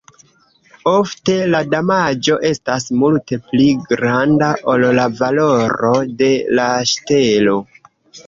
Ofte la damaĝo estas multe pli granda ol la valoro de la ŝtelo.